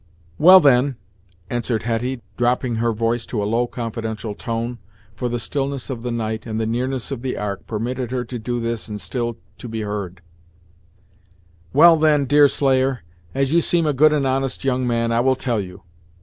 "Well, then," answered Hetty, dropping her voice to a low, confidential, tone, for the stillness of the night, and the nearness of the Ark, permitted her to do this and still to be heard "Well, then, Deerslayer, as you seem a good and honest young man I will tell you.